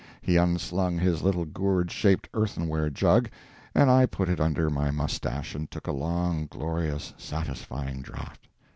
He unslung his little gourd shaped earthenware jug, and I put it under my moustache and took a long, glorious, satisfying draught.